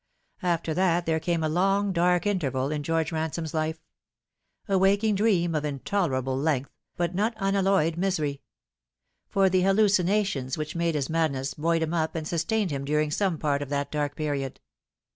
After that there came a long dark interval in George Ran Bome's life a waking dream of intolerable length, but not unalloyed misery ; for the hallucinations which made his mad ness buoyed him up and sustained him during some part of that dark period.